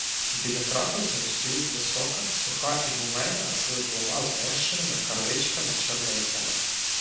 Біля трапезної стоїть висока, суха ігуменя з двома зморщеними карличками-черницями.